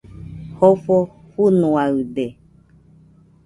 Jofo fɨnoaide